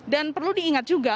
dan perlu diingat juga